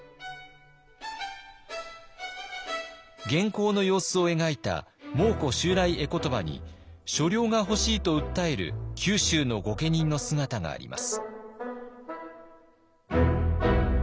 元寇の様子を描いた「蒙古襲来絵詞」に所領が欲しいと訴える九州の御家人の姿があります。